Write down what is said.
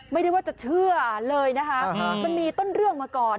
ไม่ได้ว่าจะเชื่อเลยนะคะมันมีต้นเรื่องมาก่อน